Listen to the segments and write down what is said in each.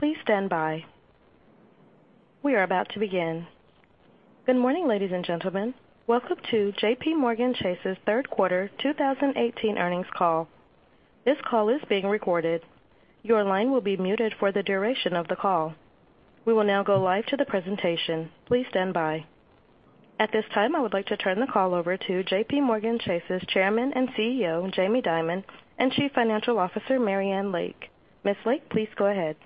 Please stand by. We are about to begin. Good morning, ladies and gentlemen. Welcome to JPMorgan Chase's third quarter 2018 earnings call. This call is being recorded. Your line will be muted for the duration of the call. We will now go live to the presentation. Please stand by. At this time, I would like to turn the call over to JPMorgan Chase's Chairman and CEO, Jamie Dimon, and Chief Financial Officer, Marianne Lake. Ms. Lake, please go ahead.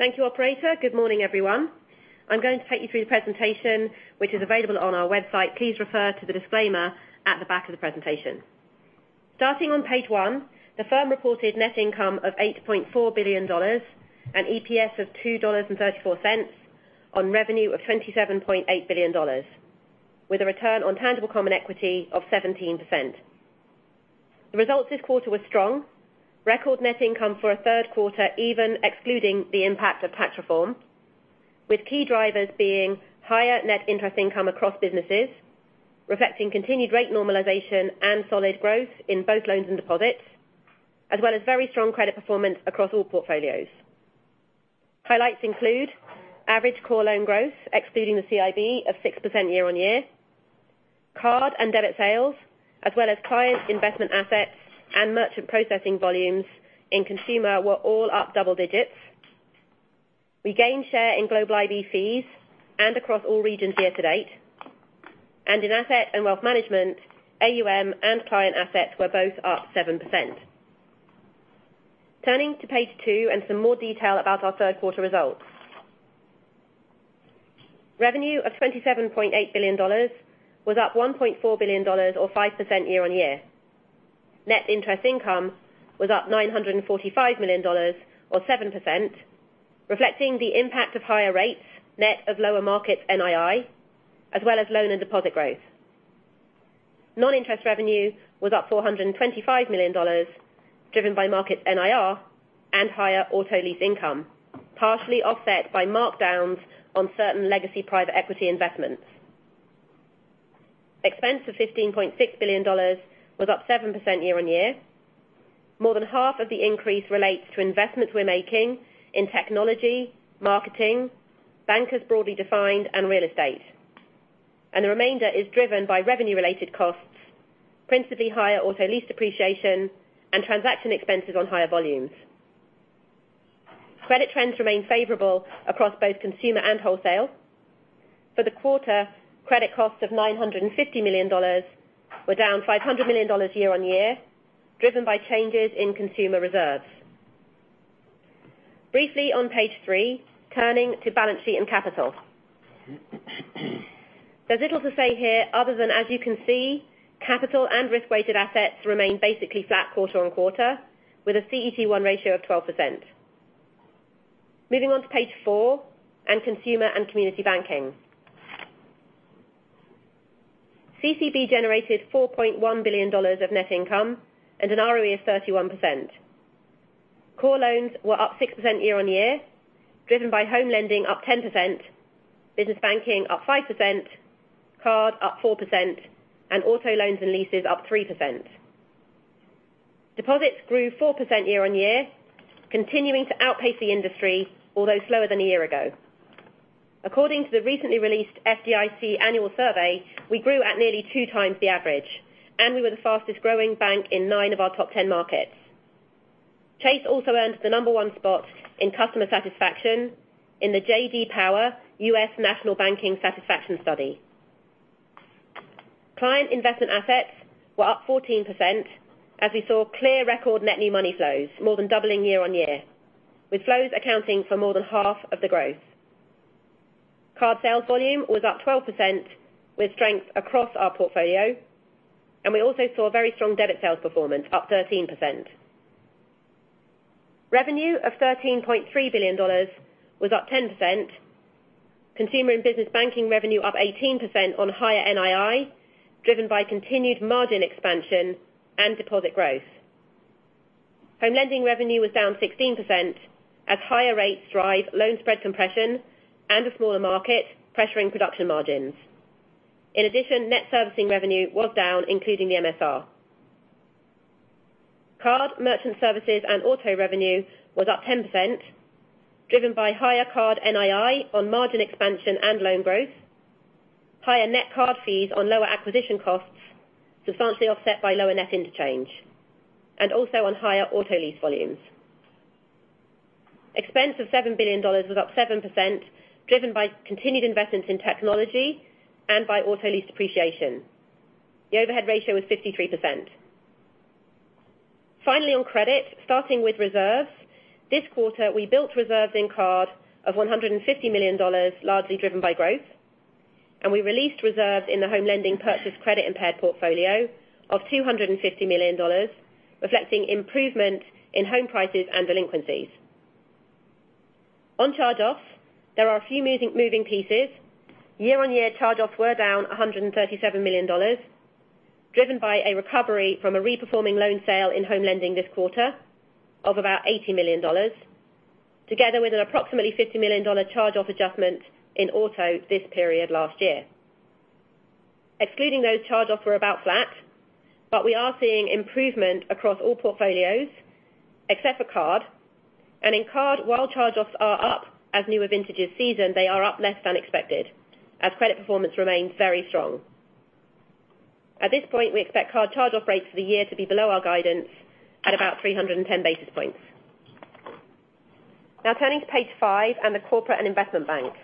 Thank you, operator. Good morning, everyone. I'm going to take you through the presentation, which is available on our website. Please refer to the disclaimer at the back of the presentation. Starting on page one, the firm reported net income of $8.4 billion and EPS of $2.34 on revenue of $27.8 billion, with a return on tangible common equity of 17%. The results this quarter were strong. Record net income for a third quarter, even excluding the impact of tax reform, with key drivers being higher net interest income across businesses, reflecting continued rate normalization and solid growth in both loans and deposits, as well as very strong credit performance across all portfolios. Highlights include average core loan growth, excluding the CIB, of 6% year-on-year. Card and debit sales, as well as client investment assets and merchant processing volumes in consumer were all up double digits. We gained share in global IB fees and across all regions year to date. In asset and wealth management, AUM and client assets were both up 7%. Turning to page two and some more detail about our third quarter results. Revenue of $27.8 billion was up $1.4 billion or 5% year-on-year. Net interest income was up $945 million or 7%, reflecting the impact of higher rates, net of lower market NII, as well as loan and deposit growth. Non-interest revenue was up $425 million, driven by market NIR and higher auto lease income, partially offset by markdowns on certain legacy private equity investments. Expense of $15.6 billion was up 7% year-on-year. More than half of the increase relates to investments we're making in technology, marketing, bankers broadly defined, and real estate. The remainder is driven by revenue-related costs, principally higher auto lease depreciation and transaction expenses on higher volumes. Credit trends remain favorable across both consumer and wholesale. For the quarter, credit costs of $950 million were down $500 million year-on-year, driven by changes in consumer reserves. Briefly on page three, turning to balance sheet and capital. There's little to say here other than as you can see, capital and risk-weighted assets remain basically flat quarter-on-quarter with a CET1 ratio of 12%. Moving on to page four and Consumer and Community Banking. CCB generated $4.1 billion of net income and an ROE of 31%. Core loans were up 6% year-on-year, driven by home lending up 10%, business banking up 5%, card up 4%, and auto loans and leases up 3%. Deposits grew 4% year-on-year, continuing to outpace the industry, although slower than a year ago. According to the recently released FDIC annual survey, we grew at nearly two times the average, and we were the fastest-growing bank in nine of our top 10 markets. Chase also earned the number one spot in customer satisfaction in the J.D. Power U.S. National Banking Satisfaction Study. Client investment assets were up 14% as we saw clear record net new money flows more than doubling year-on-year, with flows accounting for more than half of the growth. Card sales volume was up 12% with strength across our portfolio, and we also saw very strong debit sales performance, up 13%. Revenue of $13.3 billion was up 10%, consumer and business banking revenue up 18% on higher NII, driven by continued margin expansion and deposit growth. Home lending revenue was down 16% as higher rates drive loan spread compression and a smaller market pressuring production margins. In addition, net servicing revenue was down, including the MSR. Card, merchant services, and auto revenue was up 10%, driven by higher card NII on margin expansion and loan growth, higher net card fees on lower acquisition costs, substantially offset by lower net interchange, and also on higher auto lease volumes. Expense of $7 billion was up 7%, driven by continued investments in technology and by auto lease depreciation. The overhead ratio was 53%. Finally, on credit, starting with reserves. This quarter, we built reserves in card of $150 million, largely driven by growth, and we released reserves in the home lending purchase credit-impaired portfolio of $250 million, reflecting improvement in home prices and delinquencies. On charge-offs, there are a few moving pieces. Year-on-year, charge-offs were down $137 million, driven by a recovery from a reperforming loan sale in home lending this quarter of about $80 million, together with an approximately $50 million charge-off adjustment in auto this period last year. Excluding those charge-offs were about flat, but we are seeing improvement across all portfolios except for card. In card, while charge-offs are up as newer vintages season, they are up less than expected, as credit performance remains very strong. At this point, we expect card charge-off rates for the year to be below our guidance at about 310 basis points. Now turning to page five and the Corporate and Investment Bank.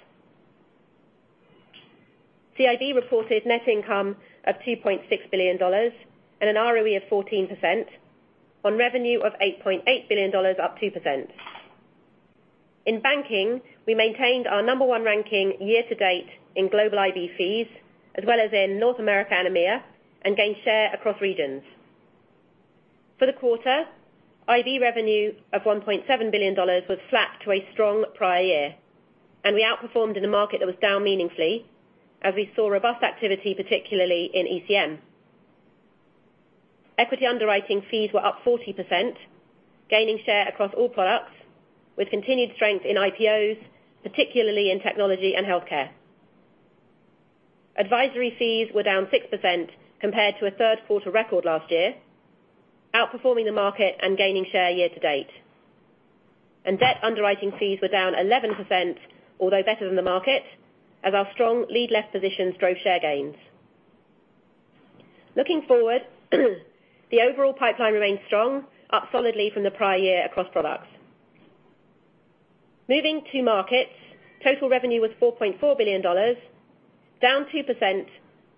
CIB reported net income of $2.6 billion and an ROE of 14% on revenue of $8.8 billion, up 2%. In banking, we maintained our number one ranking year-to-date in global IB fees, as well as in North America and EMEA, and gained share across regions. For the quarter, IB revenue of $1.7 billion was flat to a strong prior year, and we outperformed in a market that was down meaningfully as we saw robust activity, particularly in ECM. Equity underwriting fees were up 40%, gaining share across all products, with continued strength in IPOs, particularly in technology and healthcare. Advisory fees were down 6% compared to a third quarter record last year, outperforming the market and gaining share year-to-date. Debt underwriting fees were down 11%, although better than the market, as our strong lead left positions drove share gains. Looking forward, the overall pipeline remains strong, up solidly from the prior year across products. Moving to markets, total revenue was $4.4 billion, down 2%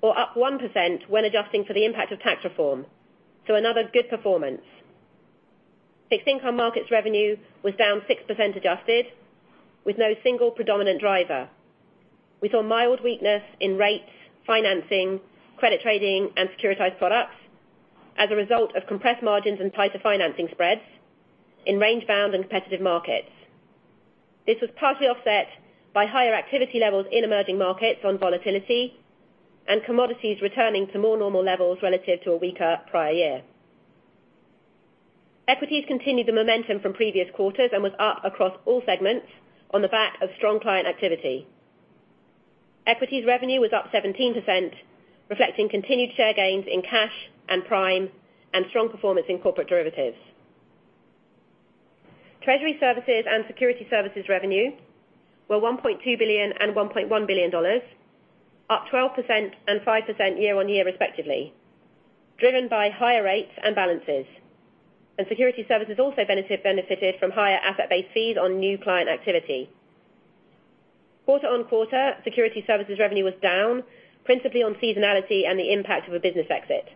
or up 1% when adjusting for the impact of tax reform. Another good performance. Fixed income markets revenue was down 6% adjusted, with no single predominant driver. We saw mild weakness in rates, financing, credit trading, and securitized products as a result of compressed margins and tighter financing spreads in range-bound and competitive markets. This was partly offset by higher activity levels in emerging markets on volatility and commodities returning to more normal levels relative to a weaker prior year. Equities continued the momentum from previous quarters and was up across all segments on the back of strong client activity. Equities revenue was up 17%, reflecting continued share gains in cash and prime, and strong performance in corporate derivatives. Treasury services and security services revenue were $1.2 billion and $1.1 billion, up 12% and 5% year-over-year respectively, driven by higher rates and balances. Security services also benefited from higher asset-based fees on new client activity. Quarter-over-quarter, security services revenue was down, principally on seasonality and the impact of a business exit.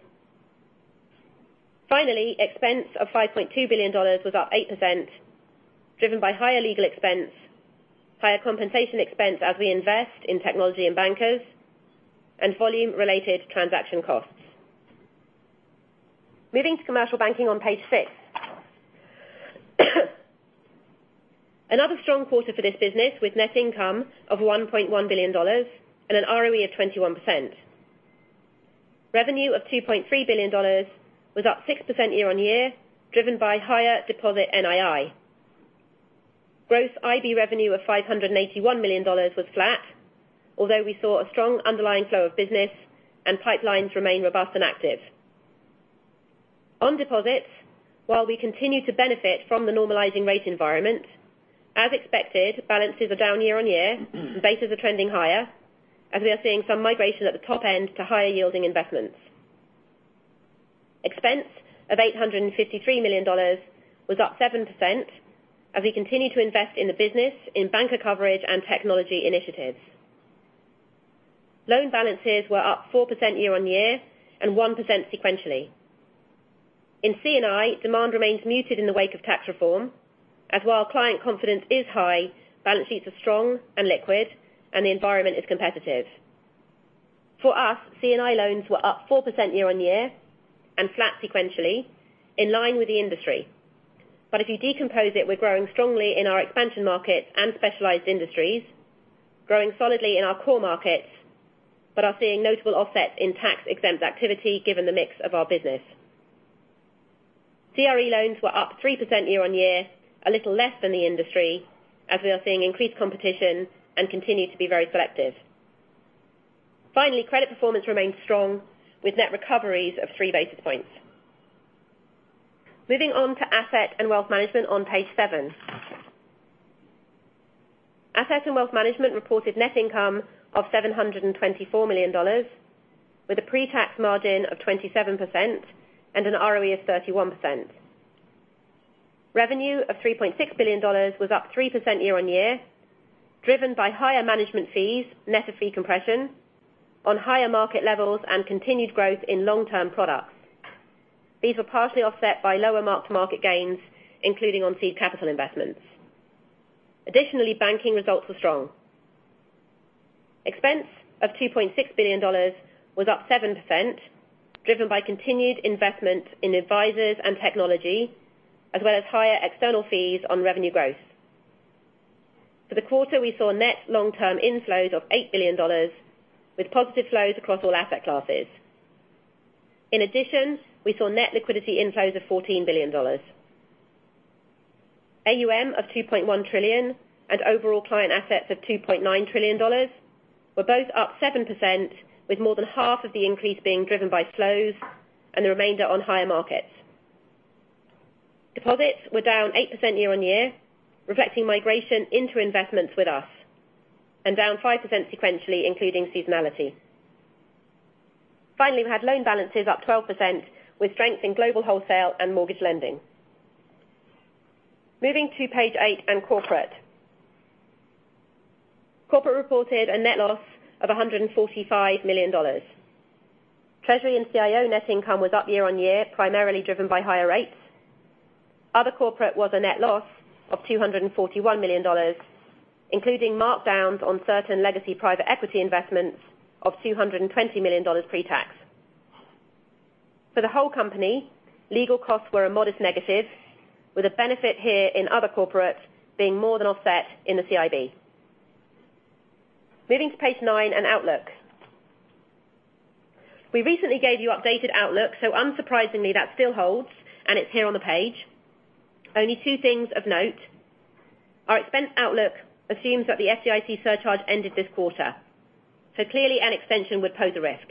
Finally, expense of $5.2 billion was up 8%, driven by higher legal expense, higher compensation expense as we invest in technology and bankers, and volume-related transaction costs. Moving to Commercial Banking on page six. Another strong quarter for this business, with net income of $1.1 billion and an ROE of 21%. Revenue of $2.3 billion was up 6% year-over-year, driven by higher deposit NII. Gross IB revenue of $581 million was flat, although we saw a strong underlying flow of business and pipelines remain robust and active. On deposits, while we continue to benefit from the normalizing rate environment, as expected, balances are down year-over-year and betas are trending higher, as we are seeing some migration at the top end to higher yielding investments. Expense of $853 million was up 7% as we continue to invest in the business in banker coverage and technology initiatives. Loan balances were up 4% year-over-year and 1% sequentially. In C&I, demand remains muted in the wake of tax reform, as while client confidence is high, balance sheets are strong and liquid, and the environment is competitive. For us, C&I loans were up 4% year-over-year and flat sequentially, in line with the industry. If you decompose it, we're growing strongly in our expansion markets and specialized industries, growing solidly in our core markets, but are seeing notable offsets in tax-exempt activity, given the mix of our business. CRE loans were up 3% year-over-year, a little less than the industry, as we are seeing increased competition and continue to be very selective. Finally, credit performance remains strong, with net recoveries of three basis points. Moving on to Asset and Wealth Management on page seven. Asset and Wealth Management reported net income of $724 million, with a pre-tax margin of 27% and an ROE of 31%. Revenue of $3.6 billion was up 3% year-over-year, driven by higher management fees, net of fee compression, on higher market levels and continued growth in long-term products. These were partially offset by lower mark-to-market gains, including on seed capital investments. Additionally, banking results were strong. Expense of $2.6 billion was up 7%, driven by continued investment in advisors and technology, as well as higher external fees on revenue growth. For the quarter, we saw net long-term inflows of $8 billion, with positive flows across all asset classes. In addition, we saw net liquidity inflows of $14 billion. AUM of $2.1 trillion and overall client assets of $2.9 trillion were both up 7%, with more than half of the increase being driven by flows and the remainder on higher markets. Deposits were down 8% year-over-year, reflecting migration into investments with us, and down 5% sequentially, including seasonality. Finally, we had loan balances up 12%, with strength in global wholesale and mortgage lending. Moving to page 8 and Corporate. Corporate reported a net loss of $145 million. Treasury and CIO net income was up year-over-year, primarily driven by higher rates. Other Corporate was a net loss of $241 million, including markdowns on certain legacy private equity investments of $220 million pre-tax. For the whole company, legal costs were a modest negative, with a benefit here in Other Corporate being more than offset in the CIB. Moving to page 9 and outlook. Unsurprisingly, that still holds, and it's here on the page. Only two things of note. Our expense outlook assumes that the FDIC surcharge ended this quarter. Clearly an extension would pose a risk.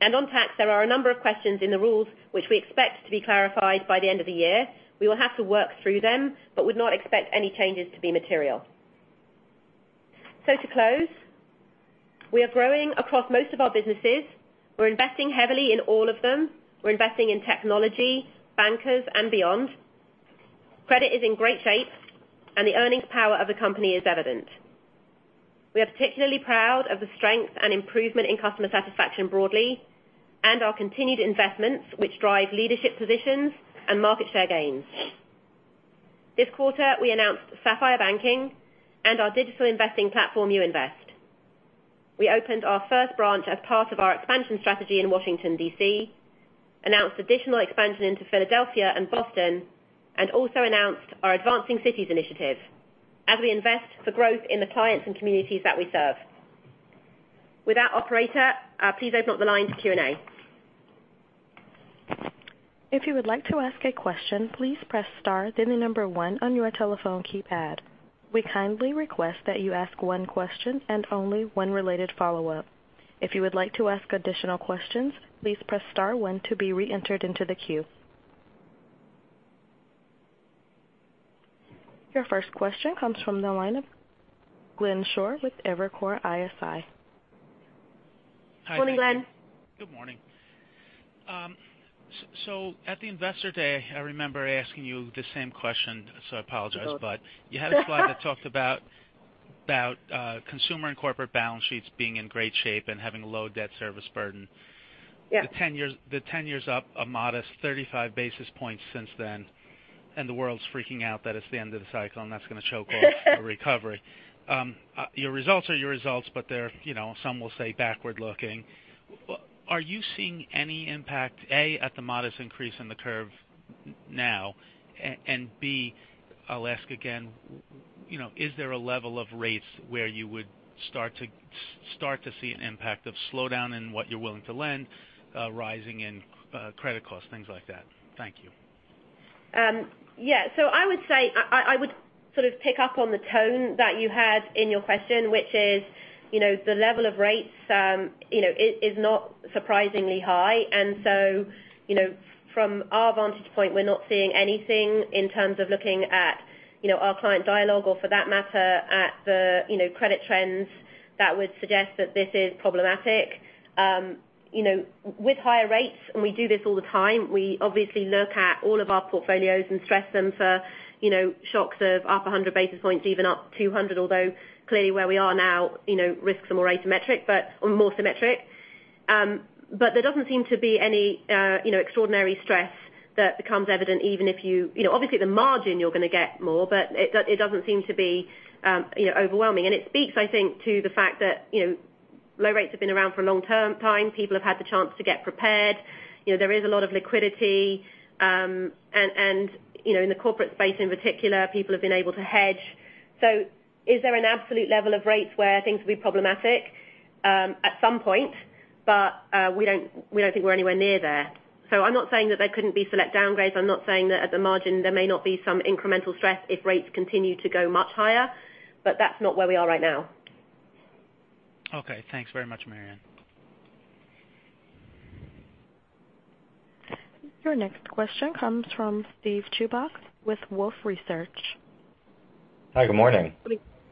On tax, there are a number of questions in the rules, which we expect to be clarified by the end of the year. We will have to work through them, but would not expect any changes to be material. To close, we are growing across most of our businesses. We're investing heavily in all of them. We're investing in technology, bankers, and beyond. Credit is in great shape, and the earnings power of the company is evident. We are particularly proud of the strength and improvement in customer satisfaction broadly, and our continued investments, which drive leadership positions and market share gains. This quarter, we announced Sapphire Banking and our digital investing platform, You Invest. We opened our first branch as part of our expansion strategy in Washington, D.C., announced additional expansion into Philadelphia and Boston, and also announced our AdvancingCities initiative as we invest for growth in the clients and communities that we serve. With that, operator, please open up the line to Q&A. If you would like to ask a question, please press star, then the number 1 on your telephone keypad. We kindly request that you ask one question and only one related follow-up. If you would like to ask additional questions, please press star 1 to be reentered into the queue. Your first question comes from the line of Glenn Schorr with Evercore ISI. Morning, Glenn. Good morning. At the Investor Day, I remember asking you the same question, so I apologize. It's all good. You had a slide that talked about consumer and corporate balance sheets being in great shape and having a low debt service burden. Yeah. The 10-year is up a modest 35 basis points since then, the world's freaking out that it's the end of the cycle and that's going to choke off a recovery. Your results are your results, they're, some will say, backward looking. Are you seeing any impact, A, at the modest increase in the curve now, B, I'll ask again, is there a level of rates where you would start to see an impact of slowdown in what you're willing to lend, rising in credit costs, things like that? Thank you. Yeah. I would sort of pick up on the tone that you had in your question, which is the level of rates is not surprisingly high. From our vantage point, we're not seeing anything in terms of looking at our client dialogue or for that matter at the credit trends that would suggest that this is problematic. With higher rates, and we do this all the time, we obviously look at all of our portfolios and stress them for shocks of up 100 basis points, even up 200, although clearly where we are now, risks are more asymmetric, but are more symmetric. There doesn't seem to be any extraordinary stress that becomes evident, even if obviously the margin you're going to get more, but it doesn't seem to be overwhelming. It speaks, I think, to the fact that low rates have been around for a long time. People have had the chance to get prepared. There is a lot of liquidity. In the corporate space in particular, people have been able to hedge. Is there an absolute level of rates where things will be problematic? At some point, we don't think we're anywhere near there. I'm not saying that there couldn't be select downgrades. I'm not saying that at the margin, there may not be some incremental stress if rates continue to go much higher, that's not where we are right now. Okay. Thanks very much, Marianne. Your next question comes from Steven Chubak with Wolfe Research. Hi, good morning.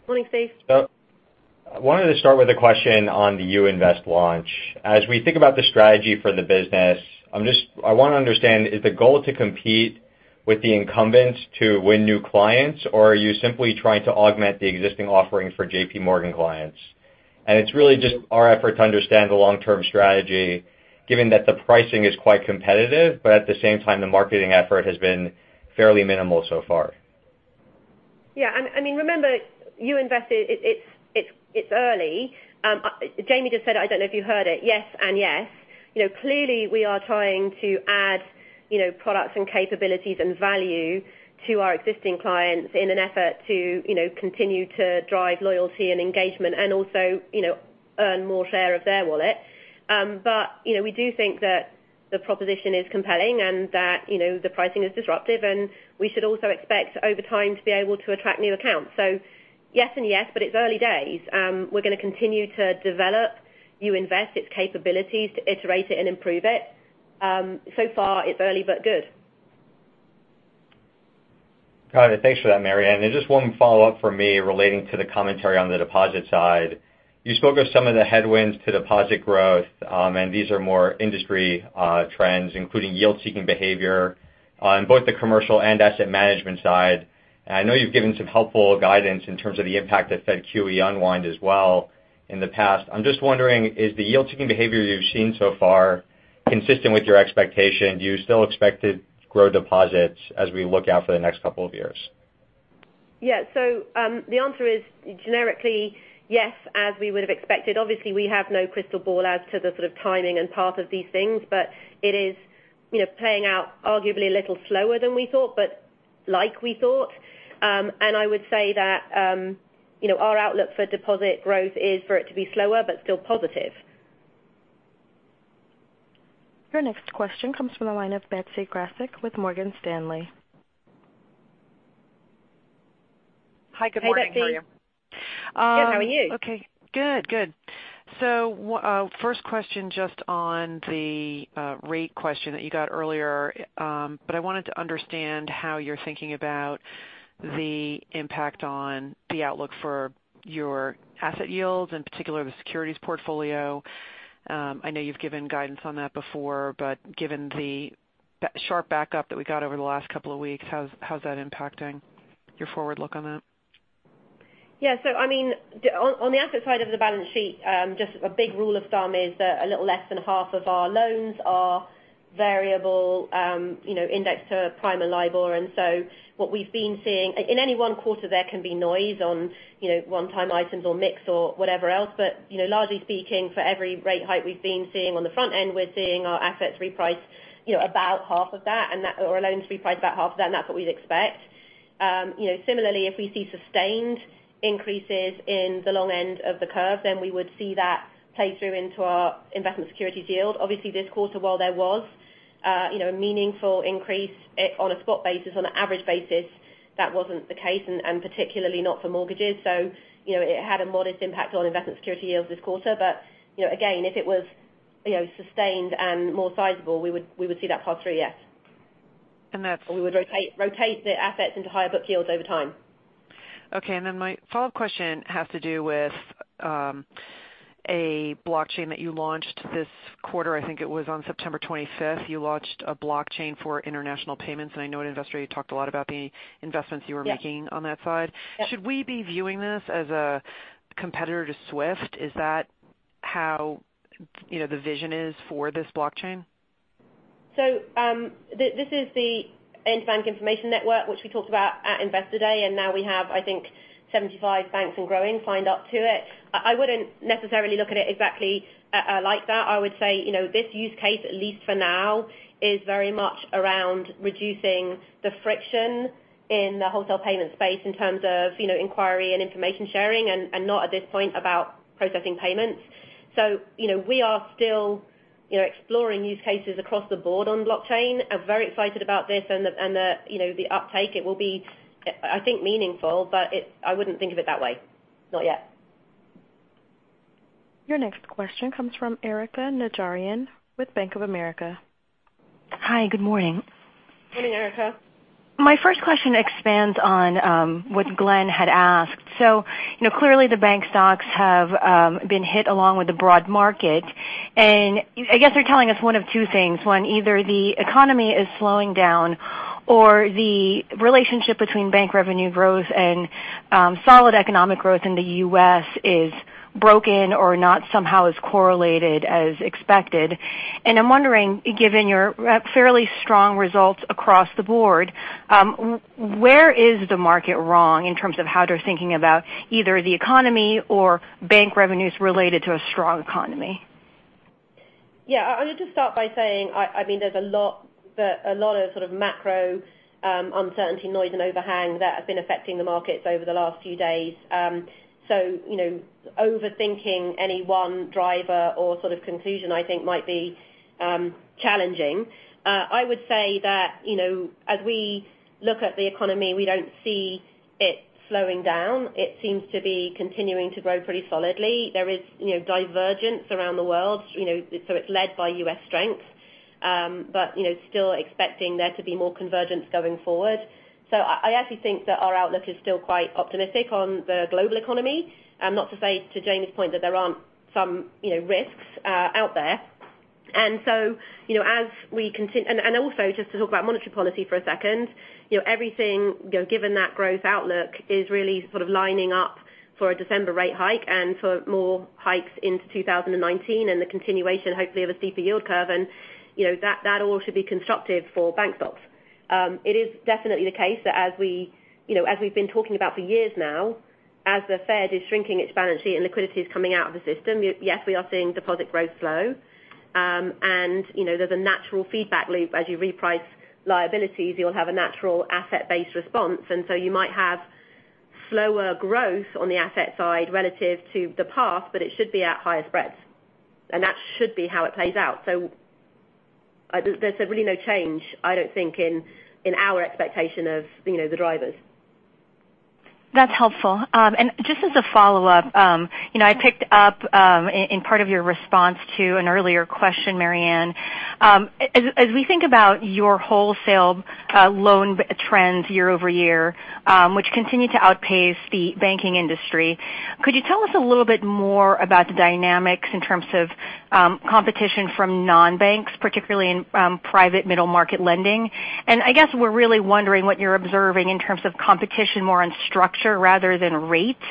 Morning, Steve. I wanted to start with a question on the You Invest launch. As we think about the strategy for the business, I want to understand, is the goal to compete with the incumbents to win new clients, or are you simply trying to augment the existing offerings for J.P. Morgan clients? It's really just our effort to understand the long-term strategy, given that the pricing is quite competitive, but at the same time, the marketing effort has been fairly minimal so far. Yeah. Remember, You Invest, it's early. Jamie just said, I don't know if you heard it, yes and yes. Clearly, we are trying to add products and capabilities and value to our existing clients in an effort to continue to drive loyalty and engagement and also earn more share of their wallet. We do think that the proposition is compelling and that the pricing is disruptive, and we should also expect over time to be able to attract new accounts. Yes and yes, but it's early days. We're going to continue to develop You Invest's capabilities to iterate it and improve it. So far, it's early, but good. Got it. Thanks for that, Marianne. Just one follow-up from me relating to the commentary on the deposit side. You spoke of some of the headwinds to deposit growth, and these are more industry trends, including yield-seeking behavior on both the commercial and asset management side. I know you've given some helpful guidance in terms of the impact that Fed QE unwind as well in the past. I'm just wondering, is the yield-seeking behavior you've seen so far consistent with your expectation? Do you still expect to grow deposits as we look out for the next couple of years? Yeah. The answer is generically yes, as we would have expected. Obviously, we have no crystal ball as to the sort of timing and path of these things, it is playing out arguably a little slower than we thought, but like we thought. I would say that our outlook for deposit growth is for it to be slower but still positive. Your next question comes from the line of Betsy Graseck with Morgan Stanley. Hi, good morning, Mary. Hey, Betsy. Good. How are you? Okay. Good. First question, just on the rate question that you got earlier. I wanted to understand how you're thinking about the impact on the outlook for your asset yields, in particular the securities portfolio. I know you've given guidance on that before, given the sharp backup that we got over the last couple of weeks, how's that impacting your forward look on that? Yeah. On the asset side of the balance sheet, just a big rule of thumb is that a little less than half of our loans are variable indexed to prime and LIBOR. What we've been seeing, in any one quarter, there can be noise on one-time items or mix or whatever else. Largely speaking, for every rate hike we've been seeing on the front end, we're seeing our assets reprice about half of that, and that our loans reprice about half of that, and that's what we'd expect. Similarly, if we see sustained increases in the long end of the curve, then we would see that play through into our investment securities yield. Obviously, this quarter, while there was a meaningful increase on a spot basis, on an average basis, that wasn't the case, and particularly not for mortgages. It had a modest impact on investment security yields this quarter. Again, if it was sustained and more sizable, we would see that pass through. Yes. And that's- We would rotate the assets into higher book yields over time. Okay. My follow-up question has to do with a blockchain that you launched this quarter. I think it was on September 25th. You launched a blockchain for international payments, I know at Investor Day, you talked a lot about the investments you were making- Yes on that side. Yep. Should we be viewing this as a competitor to SWIFT? Is that how the vision is for this blockchain? This is the Interbank Information Network, which we talked about at Investor Day, and now we have, I think, 75 banks and growing signed up to it. I wouldn't necessarily look at it exactly like that. I would say this use case, at least for now, is very much around reducing the friction in the wholesale payment space in terms of inquiry and information sharing and not at this point about processing payments. We are still exploring use cases across the board on blockchain. I'm very excited about this and the uptake. It will be, I think, meaningful, but I wouldn't think of it that way. Not yet. Your next question comes from Erika Najarian with Bank of America. Hi, good morning. Good morning, Erika. My first question expands on what Glenn had asked. Clearly the bank stocks have been hit along with the broad market, and I guess they're telling us one of two things. One, either the economy is slowing down or the relationship between bank revenue growth and solid economic growth in the U.S. is broken or not somehow as correlated as expected. I'm wondering, given your fairly strong results across the board, where is the market wrong in terms of how they're thinking about either the economy or bank revenues related to a strong economy? Yeah. I'll just start by saying there's a lot of sort of macro uncertainty, noise, and overhang that have been affecting the markets over the last few days. Overthinking any one driver or sort of conclusion I think might be challenging. I would say that as we look at the economy, we don't see it slowing down. It seems to be continuing to grow pretty solidly. There is divergence around the world, so it's led by U.S. strength. Still expecting there to be more convergence going forward. I actually think that our outlook is still quite optimistic on the global economy. Not to say to Jamie's point, that there aren't some risks out there. Just to talk about monetary policy for a second, everything, given that growth outlook, is really sort of lining up for a December rate hike and for more hikes into 2019 and the continuation, hopefully, of a steeper yield curve, that all should be constructive for bank stocks. It is definitely the case that as we've been talking about for years now, as the Fed is shrinking its balance sheet and liquidity is coming out of the system, yes, we are seeing deposit growth slow. There's a natural feedback loop as you reprice liabilities, you'll have a natural asset-based response. You might have slower growth on the asset side relative to the past, but it should be at higher spreads. That should be how it plays out. There's really no change, I don't think, in our expectation of the drivers. That's helpful. Just as a follow-up, I picked up in part of your response to an earlier question, Marianne. As we think about your wholesale loan trends year-over-year, which continue to outpace the banking industry, could you tell us a little bit more about the dynamics in terms of competition from non-banks, particularly in private middle-market lending? I guess we're really wondering what you're observing in terms of competition more on structure rather than rates,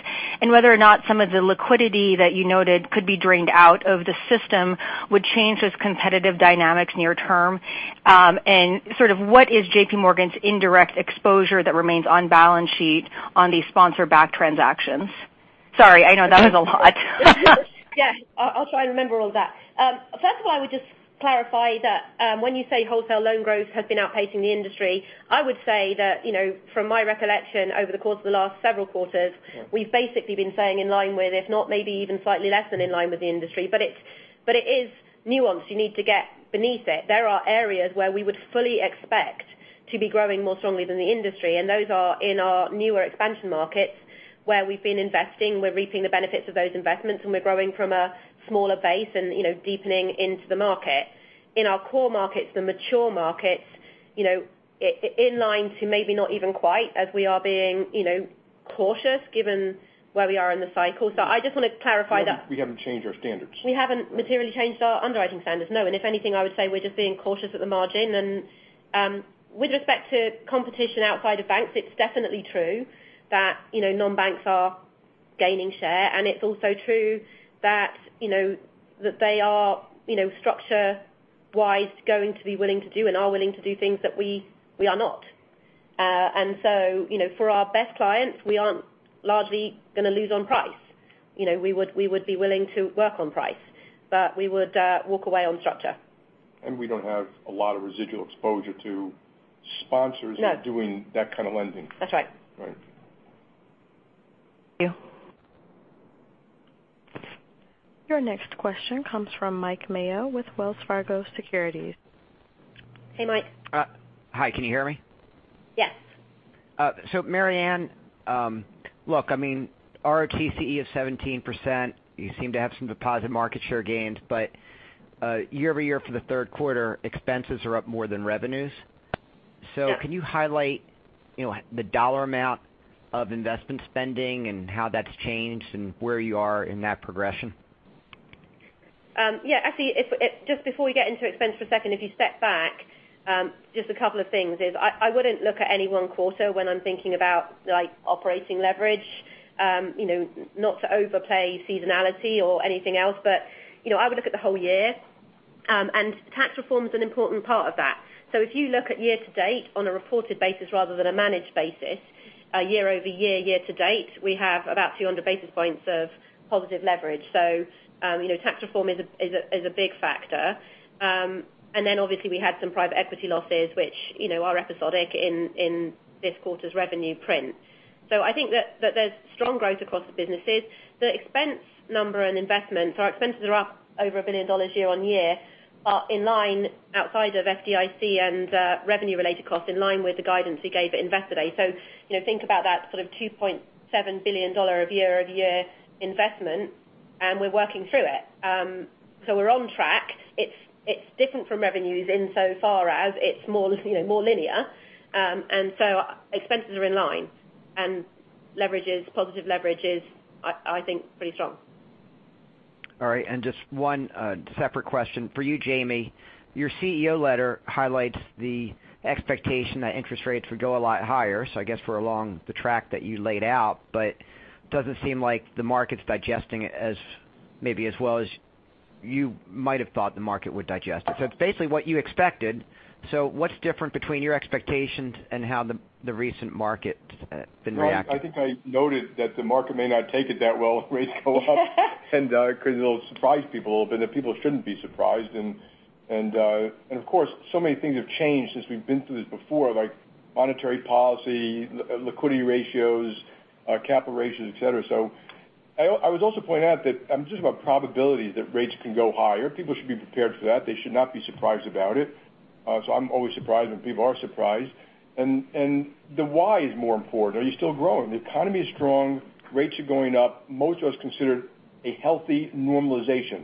and whether or not some of the liquidity that you noted could be drained out of the system would change those competitive dynamics near term. What is JPMorgan's indirect exposure that remains on balance sheet on these sponsor-backed transactions? Sorry, I know that was a lot. Yeah. I'll try and remember all that. First of all, I would just clarify that when you say wholesale loan growth has been outpacing the industry, I would say that from my recollection over the course of the last several quarters, we've basically been staying in line with, if not maybe even slightly less than in line with the industry. It is nuanced. You need to get beneath it. There are areas where we would fully expect to be growing more strongly than the industry, and those are in our newer expansion markets where we've been investing. We're reaping the benefits of those investments, and we're growing from a smaller base and deepening into the market. In our core markets, the mature markets, in line to maybe not even quite as we are being cautious given where we are in the cycle. I just want to clarify that. We haven't changed our standards. We haven't materially changed our underwriting standards, no. If anything, I would say we're just being cautious at the margin. With respect to competition outside of banks, it's definitely true that non-banks are gaining share, and it's also true that they are structure-wise going to be willing to do and are willing to do things that we are not. So for our best clients, we aren't largely going to lose on price. We would be willing to work on price, but we would walk away on structure. We don't have a lot of residual exposure to sponsors- No doing that kind of lending. That's right. Right. Thank you. Your next question comes from Mike Mayo with Wells Fargo Securities. Hey, Mike. Hi, can you hear me? Yes. Marianne, look, ROTCE of 17%, you seem to have some deposit market share gains, but year-over-year for the third quarter, expenses are up more than revenues. Yeah. Can you highlight the dollar amount of investment spending and how that's changed and where you are in that progression? Yeah. Actually, just before we get into expense for a second, if you step back, just a couple of things is I wouldn't look at any one quarter when I'm thinking about operating leverage. Not to overplay seasonality or anything else, but I would look at the whole year. Tax reform is an important part of that. If you look at year to date on a reported basis rather than a managed basis, year-over-year, year to date, we have about 200 basis points of positive leverage. Tax reform is a big factor. Obviously, we had some private equity losses, which are episodic in this quarter's revenue print. I think that there's strong growth across the businesses. The expense number and investments, our expenses are up over $1 billion year-over-year, are in line outside of FDIC and revenue-related costs, in line with the guidance we gave at Investor Day. Think about that sort of $2.7 billion of year-over-year investment, and we're working through it. We're on track. It's different from revenues insofar as it's more linear. Expenses are in line, and positive leverage is, I think, pretty strong. All right. Just one separate question for you, Jamie. Your CEO letter highlights the expectation that interest rates would go a lot higher. I guess for along the track that you laid out, doesn't seem like the market's digesting it maybe as well as you might have thought the market would digest it. It's basically what you expected. What's different between your expectations and how the recent market been reacting? I think I noted that the market may not take it that well if rates go up and because it'll surprise people a little bit, and people shouldn't be surprised. Of course, so many things have changed since we've been through this before, like monetary policy, liquidity ratios, capital ratios, et cetera. I would also point out that I'm just about probability that rates can go higher. People should be prepared for that. They should not be surprised about it. I'm always surprised when people are surprised. The why is more important. Are you still growing? The economy is strong. Rates are going up. Most of us consider a healthy normalization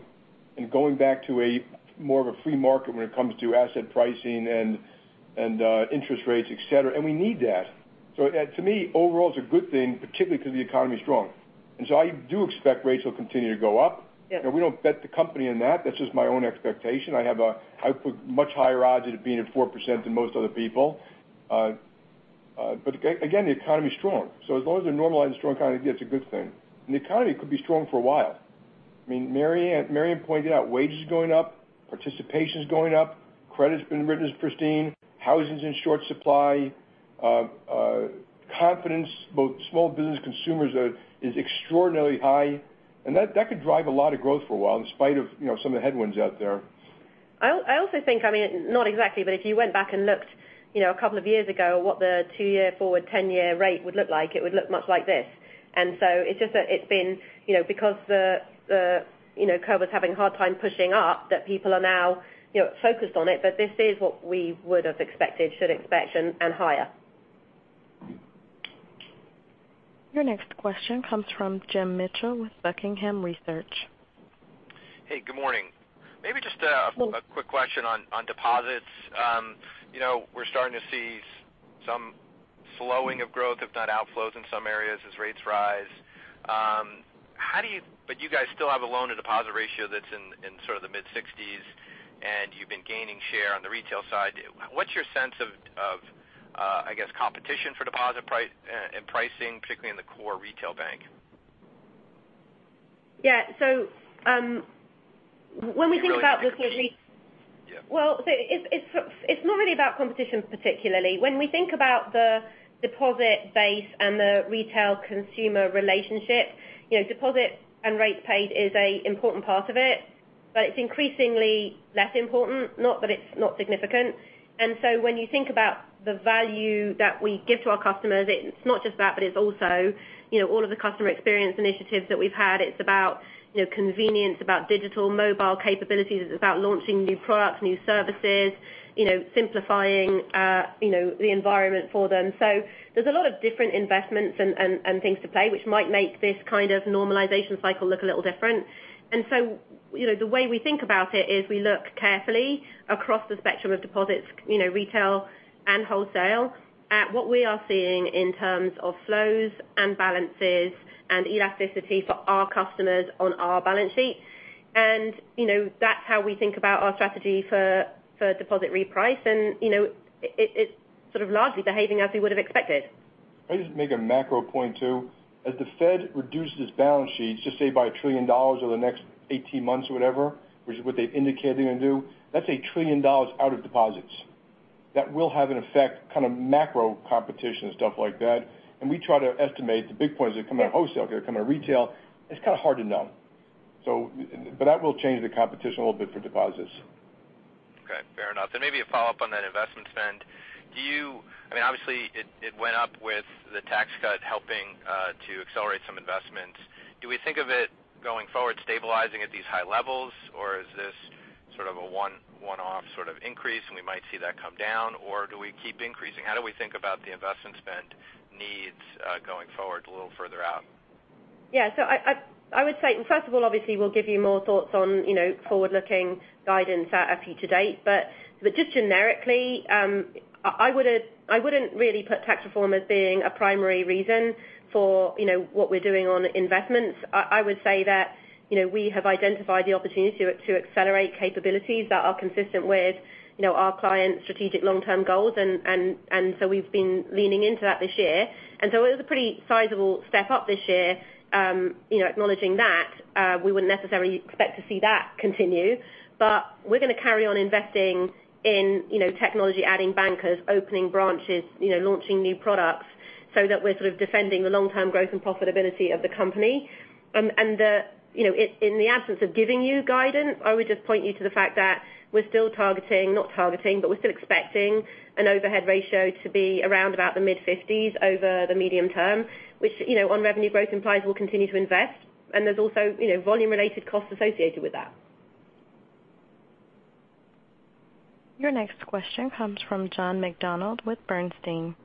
and going back to more of a free market when it comes to asset pricing and interest rates, et cetera. We need that. To me, overall, it's a good thing, particularly because the economy is strong. I do expect rates will continue to go up. Yeah. We don't bet the company on that. That's just my own expectation. I put much higher odds at it being at 4% than most other people. Again, the economy is strong. As long as they normalize the strong economy, it's a good thing. The economy could be strong for a while. I mean, Marianne pointed out wages are going up, participation is going up, credit's been written as pristine, housing's in short supply. Confidence, both small business consumers are, is extraordinarily high, and that could drive a lot of growth for a while in spite of some of the headwinds out there. I also think, not exactly, but if you went back and looked a couple of years ago what the two-year forward, 10-year rate would look like, it would look much like this. It's just that it's been because the curve was having a hard time pushing up, that people are now focused on it. This is what we would've expected, should expect, and higher. Your next question comes from Jim Mitchell with Buckingham Research. Hey, good morning. Maybe just a quick question on deposits. We're starting to see some slowing of growth, if not outflows in some areas as rates rise. You guys still have a loan-to-deposit ratio that's in sort of the mid-60s, and you've been gaining share on the retail side. What's your sense of I guess competition for deposit and pricing, particularly in the core retail bank? Yeah. When we think about Yeah. Well, it's not really about competition particularly. When we think about the deposit base and the retail consumer relationship, deposit and rates paid is a important part of it, but it's increasingly less important, not that it's not significant. When you think about the value that we give to our customers, it's not just that, but it's also all of the customer experience initiatives that we've had. It's about convenience, about digital mobile capabilities. It's about launching new products, new services, simplifying the environment for them. There's a lot of different investments and things to play, which might make this kind of normalization cycle look a little different. The way we think about it is we look carefully across the spectrum of deposits, retail and wholesale, at what we are seeing in terms of flows and balances and elasticity for our customers on our balance sheet. That's how we think about our strategy for deposit reprice. It's sort of largely behaving as we would've expected. Can I just make a macro point, too? As the Fed reduces its balance sheets, just say by $1 trillion over the next 18 months or whatever, which is what they've indicated they're going to do, that's $1 trillion out of deposits. That will have an effect, kind of macro competition and stuff like that. We try to estimate the big points that come out of wholesale, that come out of retail. It's kind of hard to know. That will change the competition a little bit for deposits. Okay, fair enough. Maybe a follow-up on that investment spend. Obviously, it went up with the tax cut helping to accelerate some investments. Do we think of it, going forward, stabilizing at these high levels, or is this sort of a one-off increase, and we might see that come down? Do we keep increasing? How do we think about the investment spend needs going forward a little further out? Yeah. I would say, first of all, obviously, we'll give you more thoughts on forward-looking guidance at up-to-date. Just generically, I wouldn't really put tax reform as being a primary reason for what we're doing on investments. I would say that we have identified the opportunity to accelerate capabilities that are consistent with our clients' strategic long-term goals, we've been leaning into that this year. It was a pretty sizable step-up this year, acknowledging that. We wouldn't necessarily expect to see that continue. We're going to carry on investing in technology, adding bankers, opening branches, launching new products so that we're sort of defending the long-term growth and profitability of the company. In the absence of giving you guidance, I would just point you to the fact that we're still targeting, not targeting, but we're still expecting an overhead ratio to be around about the mid-50s over the medium term, which on revenue growth implies we'll continue to invest. There's also volume-related costs associated with that. Your next question comes from John McDonald with Bernstein.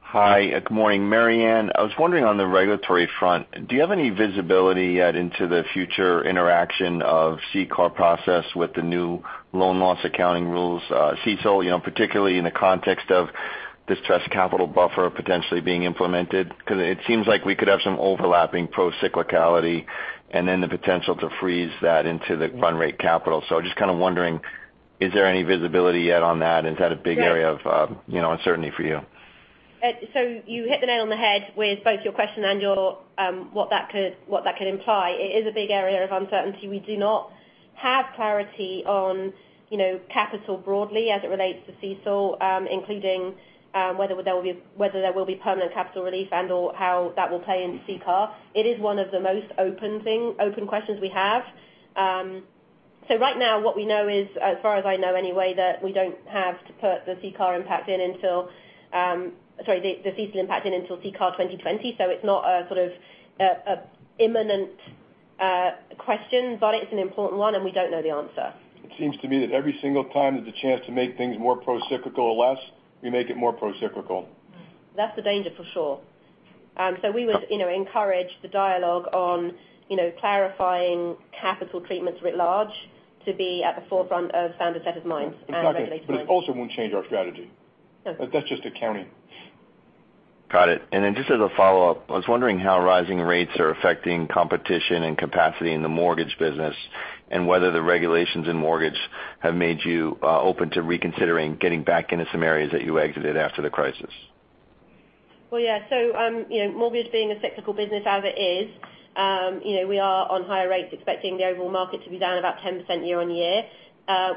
Hi, good morning. Marianne, I was wondering on the regulatory front, do you have any visibility yet into the future interaction of CCAR process with the new loan loss accounting rules, CECL, particularly in the context of this stress capital buffer potentially being implemented? Because it seems like we could have some overlapping pro-cyclicality, and then the potential to freeze that into the run rate capital. Just kind of wondering, is there any visibility yet on that? Is that a big area of uncertainty for you? You hit the nail on the head with both your question and what that could imply. It is a big area of uncertainty. We do not have clarity on capital broadly as it relates to CECL, including whether there will be permanent capital relief and/or how that will play into CCAR. It is one of the most open questions we have. Right now, what we know is, as far as I know anyway, that we don't have to put the CECL impact in until CCAR 2020. It's not a sort of imminent question. It's an important one, and we don't know the answer. It seems to me that every single time there's a chance to make things more pro-cyclical or less, we make it more pro-cyclical. That's the danger, for sure. We would encourage the dialogue on clarifying capital treatments writ large to be at the forefront of policymakers' set of minds and regulators' minds. It also won't change our strategy. No. That's just accounting. Got it. Just as a follow-up, I was wondering how rising rates are affecting competition and capacity in the mortgage business, and whether the regulations in mortgage have made you open to reconsidering getting back into some areas that you exited after the crisis. Well, yeah. Mortgage being a cyclical business as it is, we are on higher rates, expecting the overall market to be down about 10% year-on-year.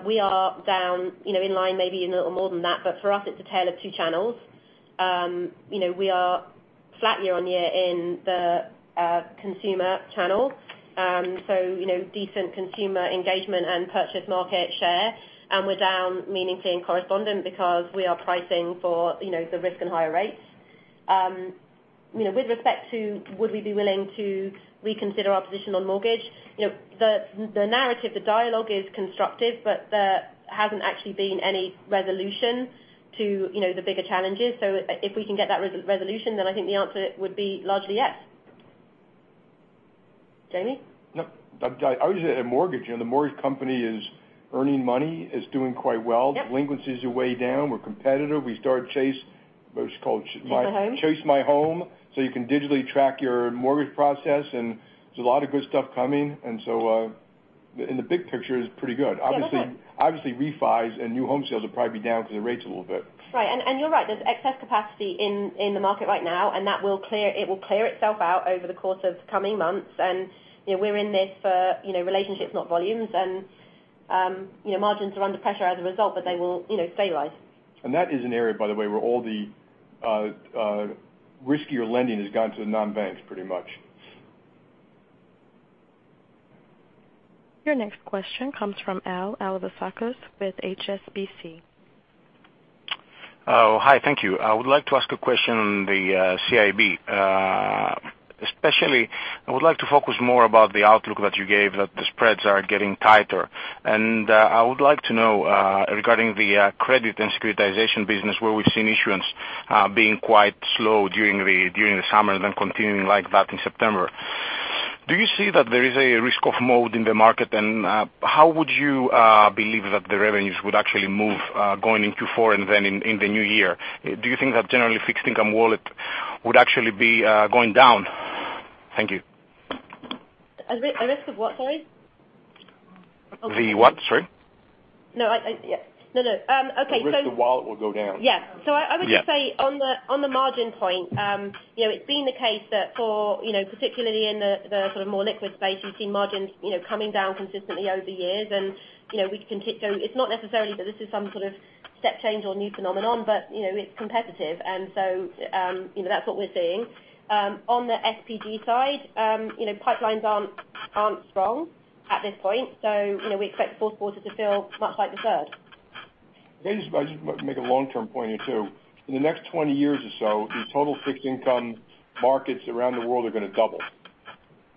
We are down in line, maybe even a little more than that. For us, it's a tale of two channels. We are flat year-on-year in the consumer channel. Decent consumer engagement and purchase market share. We're down meaningfully in correspondent because we are pricing for the risk and higher rates. With respect to would we be willing to reconsider our position on mortgage, the narrative, the dialogue is constructive, but there hasn't actually been any resolution to the bigger challenges. If we can get that resolution, then I think the answer would be largely yes. Jamie? Yep. Obviously the mortgage company is earning money, is doing quite well. Yep. Delinquencies are way down. We're competitive. We started Chase, what is it called? Chase My Home. Chase My Home, so you can digitally track your mortgage process, and there's a lot of good stuff coming. In the big picture it is pretty good. Yeah. Obviously refis and new home sales will probably be down because the rates a little bit. Right. You're right, there's excess capacity in the market right now, and it will clear itself out over the course of coming months. We're in this for relationships, not volumes. Margins are under pressure as a result, but they will stabilize. That is an area, by the way, where all the riskier lending has gone to the non-banks pretty much. Your next question comes from Alevizos Alevizakos with HSBC. Oh, hi. Thank you. I would like to ask a question on the CIB. Especially, I would like to focus more about the outlook that you gave, that the spreads are getting tighter. I would like to know, regarding the credit and securitization business, where we've seen issuance being quite slow during the summer, then continuing like that in September. Do you see that there is a risk of mood in the market? How would you believe that the revenues would actually move going into four and then in the new year? Do you think that generally fixed income wallet would actually be going down? Thank you. A risk of what, sorry? The what, sorry? No. yeah. No, no. Okay. The risk the wallet will go down. Yeah. Yeah. I would just say on the margin point, it's been the case that for particularly in the sort of more liquid space, you've seen margins coming down consistently over years. We can take, it's not necessarily that this is some sort of step change or new phenomenon, but it's competitive. That's what we're seeing. On the SPG side, pipelines aren't strong at this point, we expect fourth quarter to feel much like the third. Maybe I just make a long-term point here, too. In the next 20 years or so, the total fixed income markets around the world are going to double.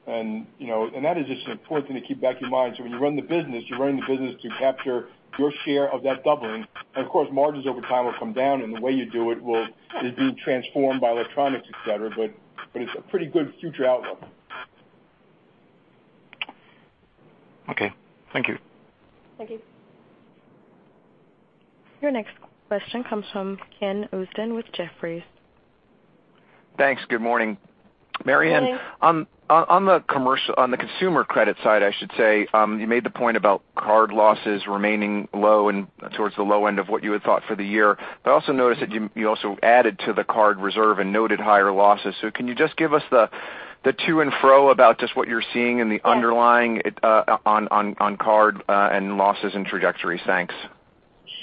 That is just an important thing to keep back in mind. When you run the business, you're running the business to capture your share of that doubling. Of course, margins over time will come down, and the way you do it will be transformed by electronics, et cetera, but it's a pretty good future outlook. Okay. Thank you. Thank you. Your next question comes from Ken Usdin with Jefferies. Thanks. Good morning. Good morning. Marianne, on the consumer credit side, I should say, you made the point about card losses remaining low and towards the low end of what you had thought for the year. I also noticed that you also added to the card reserve and noted higher losses. Can you just give us the to and fro about just what you're seeing in the underlying. Yeah On card and losses and trajectories? Thanks.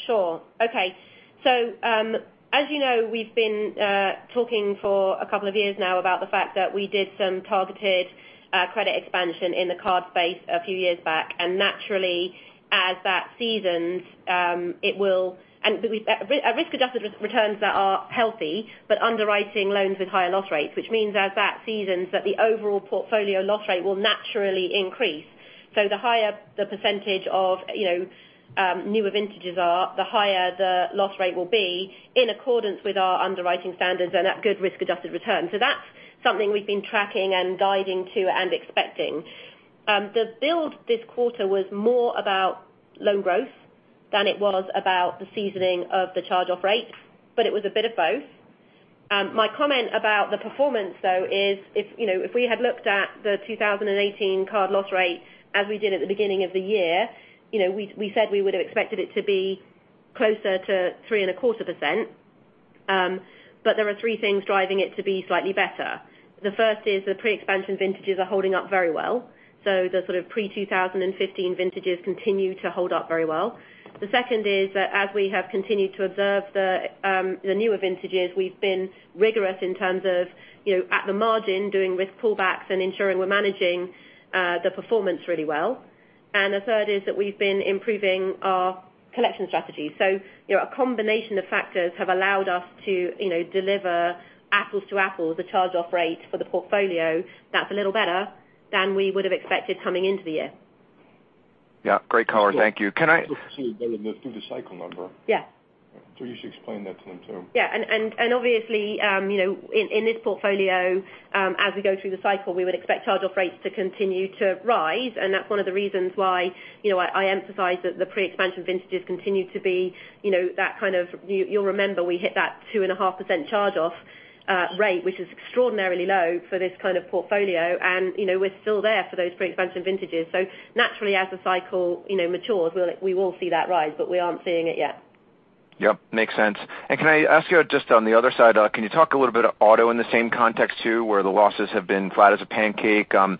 Sure. Okay. As you know, we've been talking for a couple of years now about the fact that we did some targeted credit expansion in the card space a few years back, and naturally as that seasons, and risk-adjusted returns that are healthy, but underwriting loans with higher loss rates, which means as that seasons, that the overall portfolio loss rate will naturally increase. The higher the percentage of newer vintages are, the higher the loss rate will be in accordance with our underwriting standards and that good risk-adjusted return. That's something we've been tracking and guiding to and expecting. The build this quarter was more about loan growth than it was about the seasoning of the charge-off rates, but it was a bit of both. My comment about the performance, though, is if we had looked at the 2018 card loss rate as we did at the beginning of the year, we said we would have expected it to be closer to 3.25%. There are 3 things driving it to be slightly better. The first is the pre-expansion vintages are holding up very well. The sort of pre-2015 vintages continue to hold up very well. The second is that as we have continued to observe the newer vintages, we've been rigorous in terms of at the margin, doing risk pullbacks and ensuring we're managing the performance really well. The third is that we've been improving our collection strategies. A combination of factors have allowed us to deliver apples to apples, the charge-off rate for the portfolio that's a little better than we would have expected coming into the year. Yeah, great color. Thank you. Through the cycle number. Yeah. You should explain that to them too. Yeah. Obviously, in this portfolio, as we go through the cycle, we would expect charge-off rates to continue to rise, and that's one of the reasons why I emphasize that the pre-expansion vintages continue to be. You'll remember we hit that 2.5% charge-off rate, which is extraordinarily low for this kind of portfolio. We're still there for those pre-expansion vintages. Naturally, as the cycle matures, we will see that rise, but we aren't seeing it yet. Yep, makes sense. Can I ask you, just on the other side, can you talk a little bit of auto in the same context, too, where the losses have been flat as a pancake? Can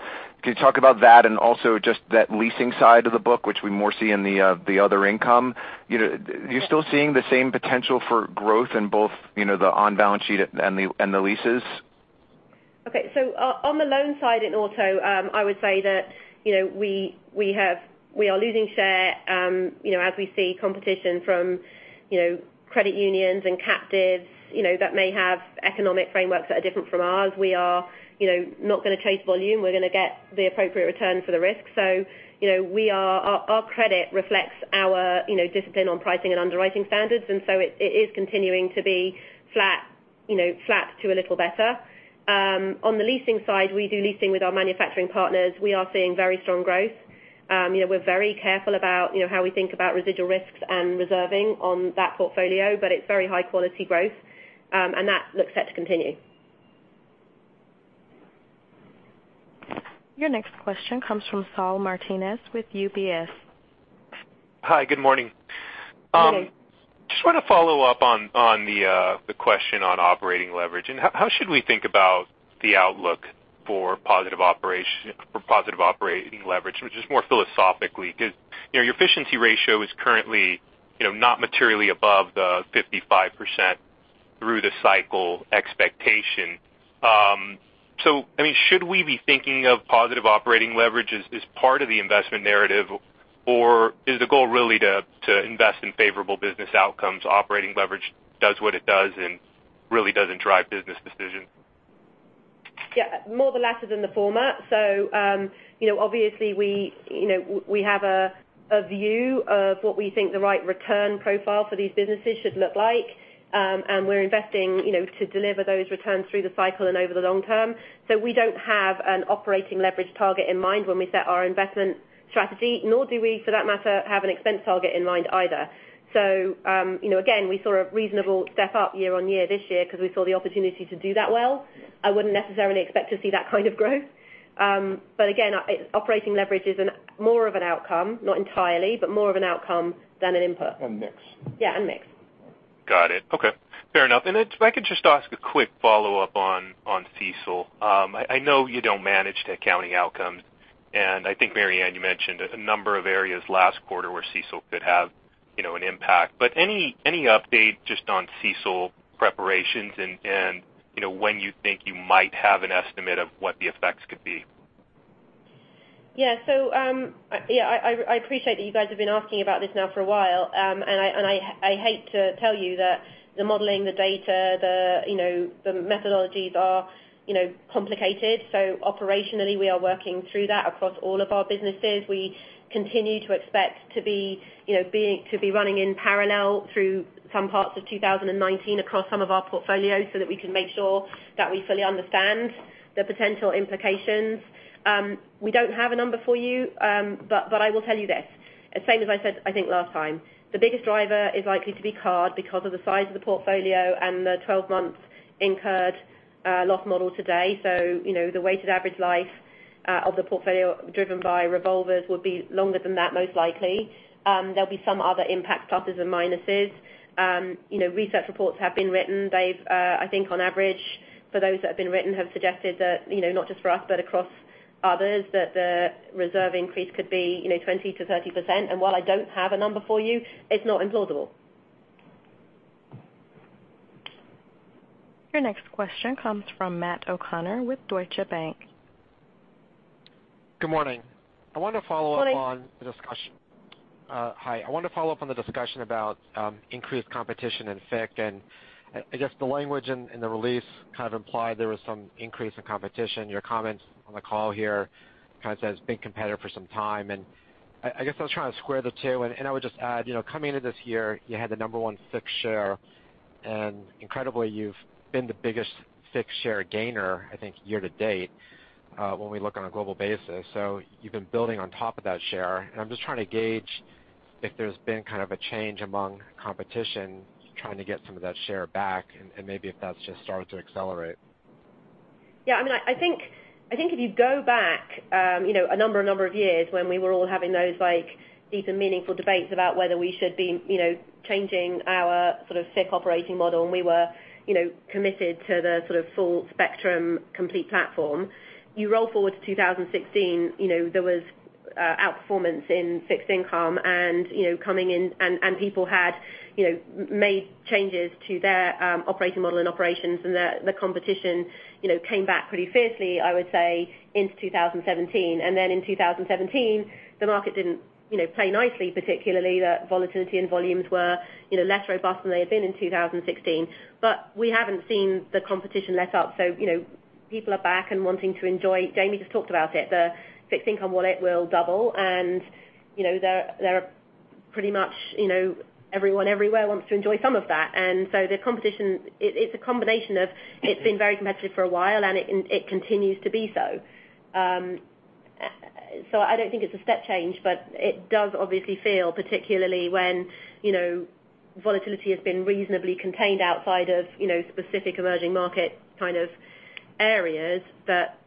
you talk about that and also just that leasing side of the book, which we more see in the other income? Are you still seeing the same potential for growth in both the on-balance sheet and the leases? Okay. On the loan side in auto, I would say that we are losing share as we see competition from credit unions and captives that may have economic frameworks that are different from ours. We are not going to chase volume. We're going to get the appropriate return for the risk. Our credit reflects our discipline on pricing and underwriting standards, and so it is continuing to be flat to a little better. On the leasing side, we do leasing with our manufacturing partners. We are seeing very strong growth. We're very careful about how we think about residual risks and reserving on that portfolio, but it's very high-quality growth. That looks set to continue. Your next question comes from Saul Martinez with UBS. Hi, good morning. Good day. Just want to follow up on the question on operating leverage. How should we think about the outlook for positive operating leverage, just more philosophically? Because your efficiency ratio is currently not materially above the 55% through the cycle expectation. Should we be thinking of positive operating leverage as part of the investment narrative, or is the goal really to invest in favorable business outcomes, operating leverage does what it does and really doesn't drive business decisions? Yeah, more the latter than the former. Obviously we have a view of what we think the right return profile for these businesses should look like. We're investing to deliver those returns through the cycle and over the long term. We don't have an operating leverage target in mind when we set our investment strategy, nor do we, for that matter, have an expense target in mind either. Again, we saw a reasonable step-up year-over-year this year because we saw the opportunity to do that well. I wouldn't necessarily expect to see that kind of growth. Again, operating leverage is more of an outcome, not entirely, but more of an outcome than an input. Mix. Yeah, and mix. If I could just ask a quick follow-up on CECL. I know you don't manage to accounting outcomes, and I think Marianne, you mentioned a number of areas last quarter where CECL could have an impact. Any update just on CECL preparations and when you think you might have an estimate of what the effects could be? Yeah. I appreciate that you guys have been asking about this now for a while. I hate to tell you that the modeling, the data, the methodologies are complicated. Operationally, we are working through that across all of our businesses. We continue to expect to be running in parallel through some parts of 2019 across some of our portfolios so that we can make sure that we fully understand the potential implications. We don't have a number for you. I will tell you this, the same as I said, I think, last time. The biggest driver is likely to be card because of the size of the portfolio and the 12-month incurred loss model today. The weighted average life of the portfolio driven by revolvers would be longer than that most likely. There'll be some other impact, pluses and minuses. Research reports have been written. They've, I think on average, for those that have been written, have suggested that not just for us, but across others, that the reserve increase could be 20%-30%. While I don't have a number for you, it's not implausible. Your next question comes from Matt O'Connor with Deutsche Bank. Good morning. Good morning. Hi. I wanted to follow up on the discussion about increased competition in FICC. I guess the language in the release kind of implied there was some increase in competition. Your comments on the call here kind of says been competitive for some time. I guess I was trying to square the two, and I would just add, coming into this year, you had the number one FICC share, and incredibly, you've been the biggest FICC share gainer, I think, year to date when we look on a global basis. You've been building on top of that share. I'm just trying to gauge if there's been kind of a change among competition, trying to get some of that share back and maybe if that's just started to accelerate. I think if you go back a number of years when we were all having those deep and meaningful debates about whether we should be changing our sort of FICC operating model. We were committed to the sort of full spectrum complete platform. You roll forward to 2016, there was outperformance in fixed income and people had made changes to their operating model and operations. The competition came back pretty fiercely, I would say, into 2017. In 2017, the market didn't play nicely, particularly the volatility and volumes were less robust than they had been in 2016. We haven't seen the competition let up. People are back and wanting to enjoy. Jamie just talked about it. The fixed income wallet will double, and pretty much everyone everywhere wants to enjoy some of that. The competition, it's a combination, it's been very competitive for a while. It continues to be so. I don't think it's a step change, it does obviously feel, particularly when volatility has been reasonably contained outside of specific emerging market kind of areas, that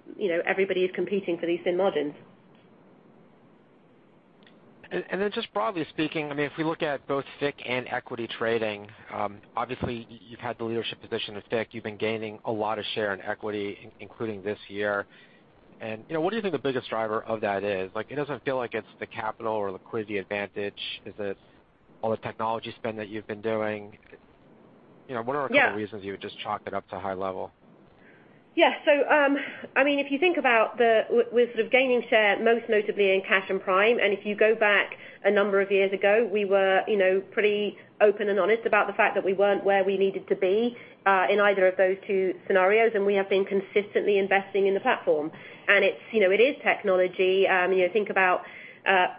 everybody is competing for these thin margins. Just broadly speaking, if we look at both FIC and equity trading, obviously you've had the leadership position with FIC. You've been gaining a lot of share in equity, including this year. What do you think the biggest driver of that is? It doesn't feel like it's the capital or liquidity advantage. Is it all the technology spend that you've been doing? Yeah. What are a couple reasons you would just chalk that up to high level? Yeah. If you think about we're sort of gaining share, most notably in cash and Prime. If you go back a number of years ago, we were pretty open and honest about the fact that we weren't where we needed to be in either of those two scenarios, and we have been consistently investing in the platform. It is technology. Think about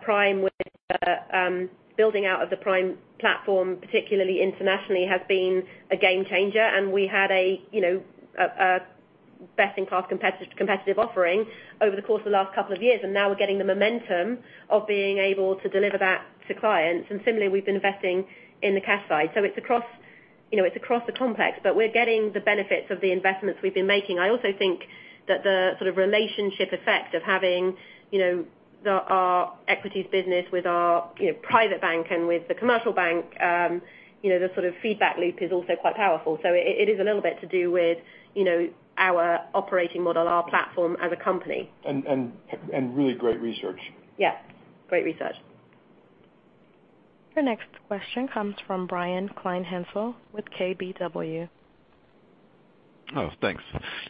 Prime, which the building out of the Prime platform, particularly internationally, has been a game changer. We had a best-in-class competitive offering over the course of the last couple of years, and now we're getting the momentum of being able to deliver that to clients. Similarly, we've been investing in the cash side. It's across the complex, but we're getting the benefits of the investments we've been making. I also think that the sort of relationship effect of having our equities business with our private bank and with the commercial bank, the sort of feedback loop is also quite powerful. It is a little bit to do with our operating model, our platform as a company. Really great research. Yeah. Great research. Your next question comes from Brian Kleinhanzl with KBW. Oh, thanks.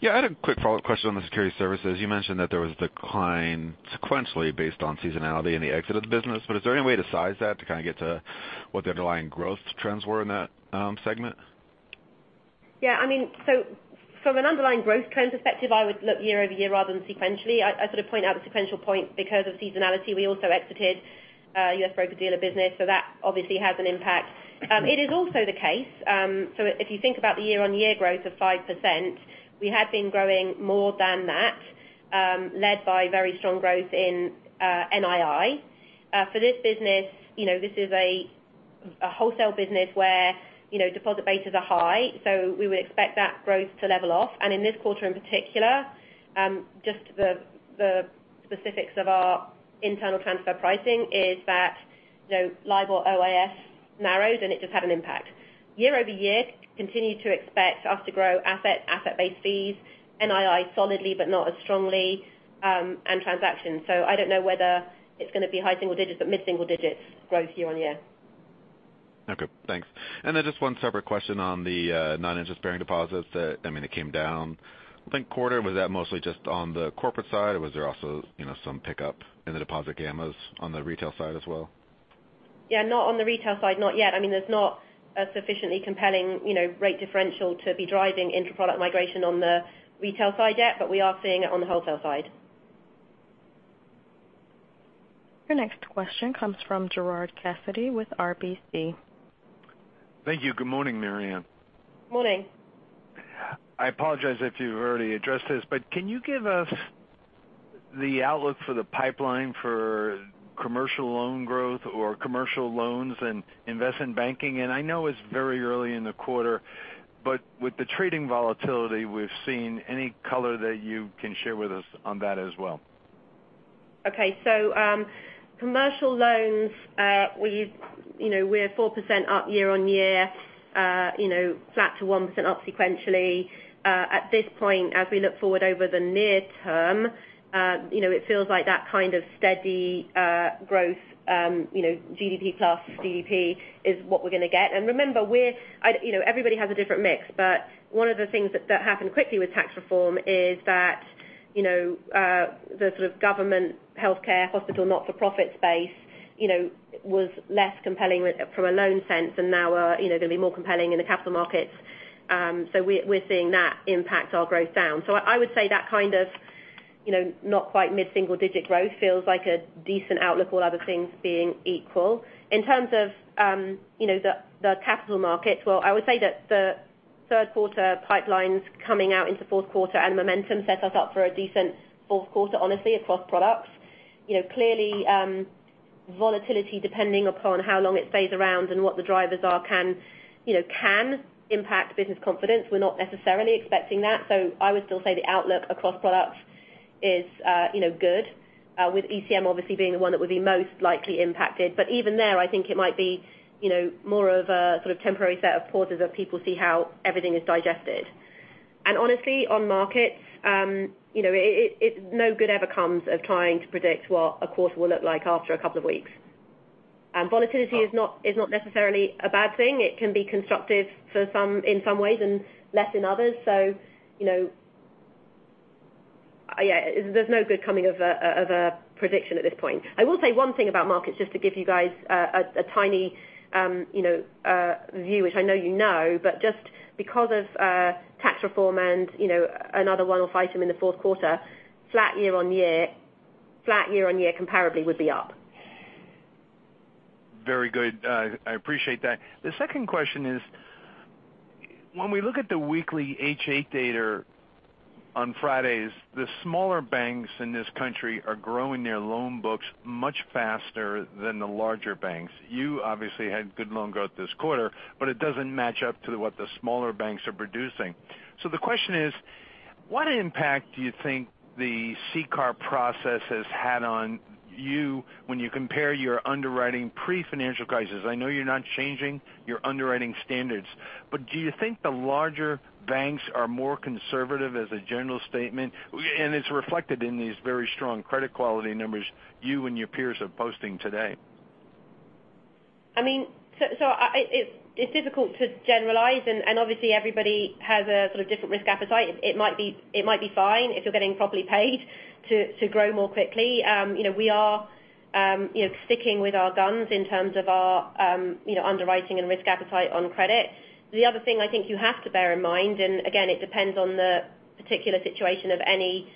Yeah, I had a quick follow-up question on the security services. You mentioned that there was decline sequentially based on seasonality and the exit of the business, is there any way to kind of get to what the underlying growth trends were in that segment? Yeah. From an underlying growth trends perspective, I would look year-over-year rather than sequentially. I sort of point out the sequential point because of seasonality. We also exited U.S. broker-dealer business, that obviously has an impact. It is also the case, if you think about the year-on-year growth of 5%, we had been growing more than that, led by very strong growth in NII. For this business, this is a wholesale business where deposit bases are high, we would expect that growth to level off. In this quarter in particular, just the specifics of our internal transfer pricing is that LIBOR OIS narrows, it does have an impact. Year-over-year, continue to expect us to grow asset-based fees, NII solidly, but not as strongly, and transactions. I don't know whether it's going to be high single digits, mid-single digits growth year-on-year. Okay, thanks. Just one separate question on the non-interest-bearing deposits that came down, I think, quarter. Was that mostly just on the corporate side, or was there also some pickup in the deposit betas on the retail side as well? Yeah, not on the retail side. Not yet. There's not a sufficiently compelling rate differential to be driving inter-product migration on the retail side yet, but we are seeing it on the wholesale side. Your next question comes from Gerard Cassidy with RBC. Thank you. Good morning, Marianne. Morning. I apologize if you've already addressed this, but can you give us the outlook for the pipeline for commercial loan growth or commercial loans in investment banking? I know it's very early in the quarter, but with the trading volatility we've seen, any color that you can share with us on that as well? Okay. Commercial loans, we're 4% up year-on-year, flat to 1% up sequentially. At this point, as we look forward over the near term, it feels like that kind of steady growth, GDP plus GDP, is what we're going to get. Remember, everybody has a different mix, but one of the things that happened quickly with tax reform is that the sort of government healthcare hospital not-for-profit space was less compelling from a loan sense and now are going to be more compelling in the capital markets. We're seeing that impact our growth down. I would say that kind of not quite mid-single digit growth feels like a decent outlook, all other things being equal. In terms of the capital markets, well, I would say that the third quarter pipelines coming out into fourth quarter and momentum sets us up for a decent fourth quarter, honestly, across products. Clearly, volatility, depending upon how long it stays around and what the drivers are, can impact business confidence. We're not necessarily expecting that. I would still say the outlook across products is good, with ECM obviously being the one that would be most likely impacted. Even there, I think it might be more of a sort of temporary set of pauses as people see how everything is digested. Honestly, on markets, no good ever comes of trying to predict what a quarter will look like after a couple of weeks. Volatility is not necessarily a bad thing. It can be constructive in some ways and less in others. Yeah, there's no good coming of a prediction at this point. I will say one thing about markets, just to give you guys a tiny view, which I know you know, but just because of tax reform and another one-off item in the fourth quarter, flat year-on-year comparably would be up. Very good. I appreciate that. The second question is, when we look at the weekly H.8 data on Fridays, the smaller banks in this country are growing their loan books much faster than the larger banks. You obviously had good loan growth this quarter, but it doesn't match up to what the smaller banks are producing. The question is, what impact do you think the CCAR process has had on you when you compare your underwriting pre-financial crisis? I know you're not changing your underwriting standards, but do you think the larger banks are more conservative as a general statement? It's reflected in these very strong credit quality numbers you and your peers are posting today. It's difficult to generalize, obviously everybody has a sort of different risk appetite. It might be fine if you're getting properly paid to grow more quickly. We are sticking with our guns in terms of our underwriting and risk appetite on credit. The other thing I think you have to bear in mind, again, it depends on the particular situation of any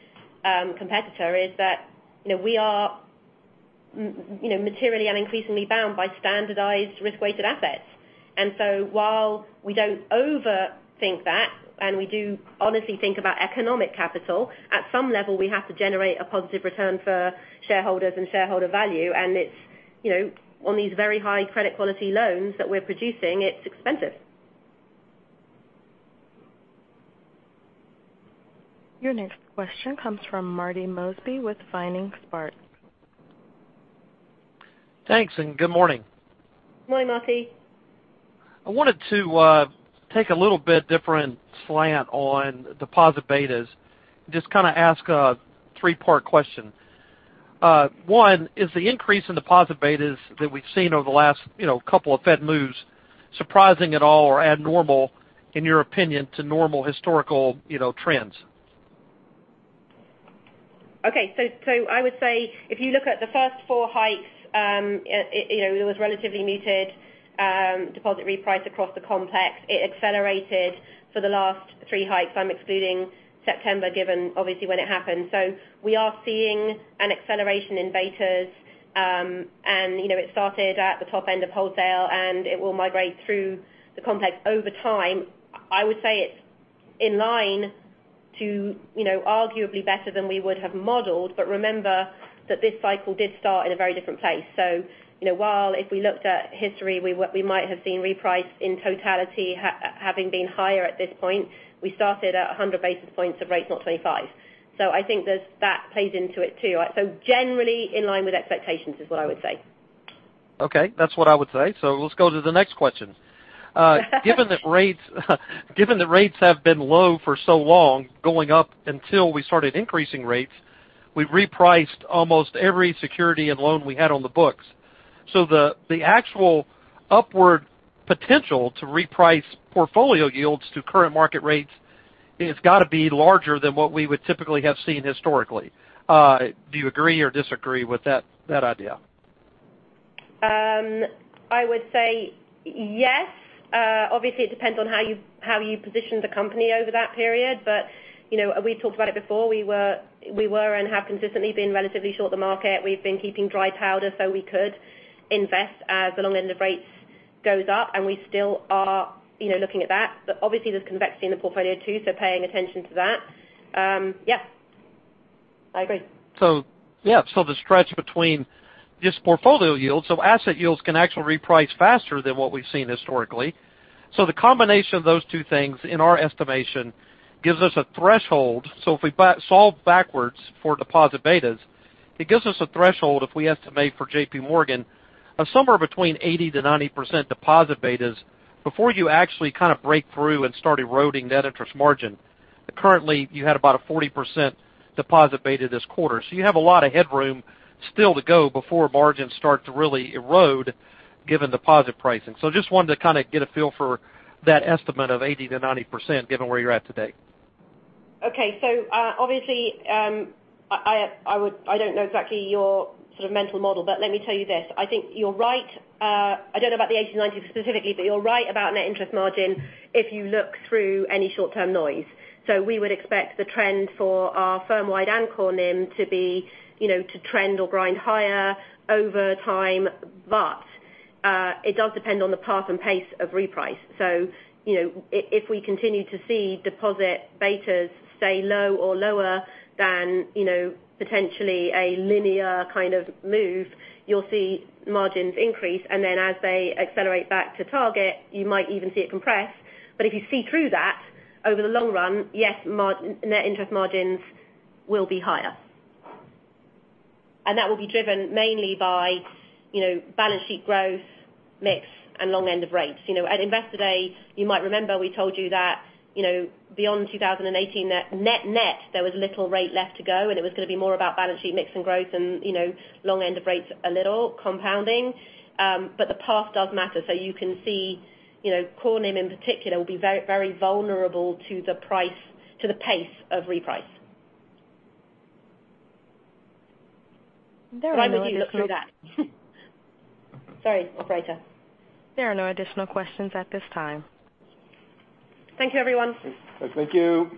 competitor, is that we are materially and increasingly bound by standardized risk-weighted assets. While we don't overthink that, we do honestly think about economic capital, at some level, we have to generate a positive return for shareholders and shareholder value, on these very high credit quality loans that we're producing, it's expensive. Your next question comes from Marty Mosby with Vining Sparks. Thanks, good morning. Morning, Marty. I wanted to take a little bit different slant on deposit betas, just kind of ask a three-part question. One, is the increase in deposit betas that we've seen over the last couple of Fed moves surprising at all or abnormal, in your opinion, to normal historical trends? Okay. I would say if you look at the first four hikes, it was relatively muted deposit reprice across the complex. It accelerated for the last three hikes. I'm excluding September, given obviously when it happened. We are seeing an acceleration in betas. It started at the top end of wholesale, and it will migrate through the complex over time. I would say it's in line to arguably better than we would have modeled. Remember that this cycle did start in a very different place. While if we looked at history, we might have seen reprice in totality having been higher at this point. We started at 100 basis points of rates, not 25. I think that plays into it too. Generally in line with expectations is what I would say. Okay. That's what I would say. Let's go to the next question. Given that rates have been low for so long, going up until we started increasing rates, we've repriced almost every security and loan we had on the books. The actual upward potential to reprice portfolio yields to current market rates has got to be larger than what we would typically have seen historically. Do you agree or disagree with that idea? I would say yes. It depends on how you positioned the company over that period, we talked about it before. We were and have consistently been relatively short the market. We've been keeping dry powder so we could invest as the long end of rates goes up, and we still are looking at that. There's convexity in the portfolio too, paying attention to that. I agree. The stretch between just portfolio yields, asset yields can actually reprice faster than what we've seen historically. The combination of those two things in our estimation gives us a threshold. If we solve backwards for deposit betas, it gives us a threshold, if we estimate for JPMorgan, of somewhere between 80%-90% deposit betas before you actually kind of break through and start eroding net interest margin. Currently, you had about a 40% deposit beta this quarter. You have a lot of headroom still to go before margins start to really erode given deposit pricing. Just wanted to kind of get a feel for that estimate of 80%-90% given where you're at today. I don't know exactly your sort of mental model, let me tell you this. I think you're right. I don't know about the 80 to 90 specifically, you're right about net interest margin if you look through any short-term noise. We would expect the trend for our firm-wide and core NIM to trend or grind higher over time. It does depend on the path and pace of reprice. If we continue to see deposit betas stay low or lower than potentially a linear kind of move, you'll see margins increase, and then as they accelerate back to target, you might even see it compress. If you see through that over the long run, yes, net interest margins will be higher. That will be driven mainly by balance sheet growth, mix, and long end of rates. At Investor Day, you might remember we told you that beyond 2018, net-net, there was little rate left to go, and it was going to be more about balance sheet mix and growth and long end of rates a little compounding. The path does matter. You can see core NIM, in particular, will be very vulnerable to the pace of reprice. There are no additional- I would say look through that. Sorry, operator. There are no additional questions at this time. Thank you, everyone. Thank you.